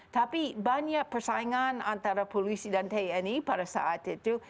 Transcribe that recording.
tapi banyak persaingan antara polisi dan tni pada saat itu